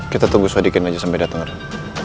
kita tunggu sodikin aja sampe dateng riz